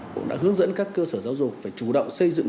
cũng đã hướng dẫn các cơ sở giáo dục phải chủ động xây dựng